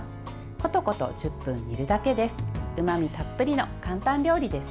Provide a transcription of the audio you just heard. コトコト１０分煮るだけです。